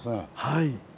はい。